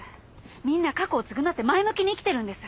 みんな過去を償って前向きに生きてるんです！